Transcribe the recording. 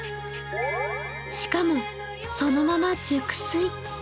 しかも、そのまま熟睡。